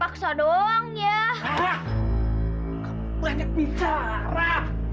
kamu banyak bicara